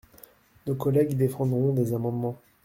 Nos collègues défendront des amendements.